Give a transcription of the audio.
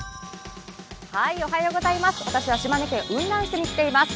私は島根県雲南市に来ています。